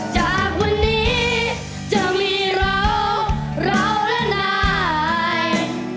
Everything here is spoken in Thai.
จากวันนี้จะมีเราเราและนาย